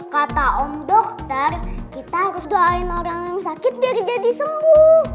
kata om dokter kita harus doain orang yang sakit biar jadi sembuh